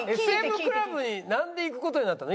ＳＭクラブになんで行く事になったの？